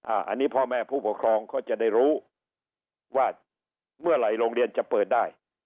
อันนี้พ่อแม่ผู้ปกครองเขาจะได้รู้ว่าเมื่อไหร่โรงเรียนจะเปิดได้